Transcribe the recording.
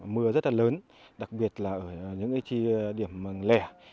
mưa rất là lớn đặc biệt là ở những điểm lẻ